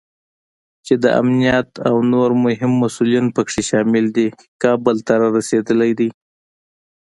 چې د امنیت او نور مهم مسوولین پکې شامل دي، کابل ته رارسېدلی دی